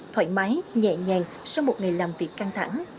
thoải mái nhẹ nhàng sau một ngày làm việc căng thẳng